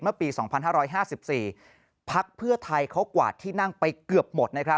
เมื่อปี๒๕๕๔พักเพื่อไทยเขากวาดที่นั่งไปเกือบหมด